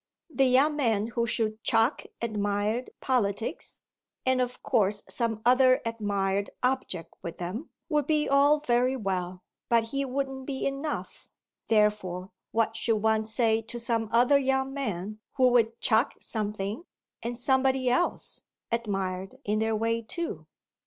The young man who should "chuck" admired politics, and of course some other admired object with them, would be all very well; but he wouldn't be enough therefore what should one say to some other young man who would chuck something and somebody else, admired in their way too?